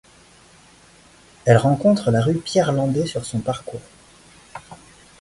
Elle rencontre la rue Pierre-Landais sur son parcours.